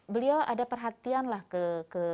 beliau ada perhatian lah ke